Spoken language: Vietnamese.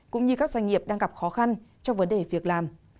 cũng như các doanh nghiệp đang gặp khó khăn trong vấn đề việc làm